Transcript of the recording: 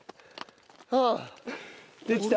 ああできた。